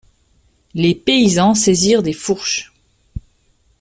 Les paysans saisirent des fourches.